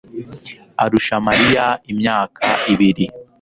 arusha mariya imyaka ibiri